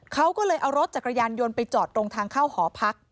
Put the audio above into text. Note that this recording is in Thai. เขาก็เลยเอารถจักรยานยนต์ไปจอดตรงทางเข้าหอพัก